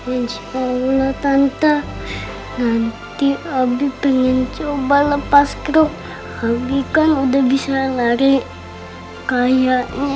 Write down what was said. insyaallah tante nanti abi pengen coba lepas kruk habiskan udah bisa lari kayaknya